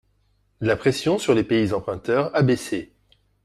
La pression sur les pays emprunteurs a baissé.